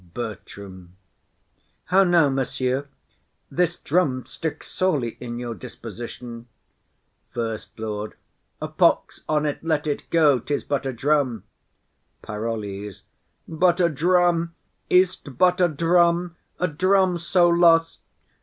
BERTRAM. How now, monsieur! This drum sticks sorely in your disposition. SECOND LORD. A pox on 't; let it go; 'tis but a drum. PAROLLES. But a drum! Is't but a drum? A drum so lost!